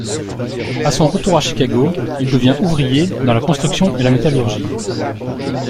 À son retour à Chicago, il devient ouvrier dans la construction et la métallurgie.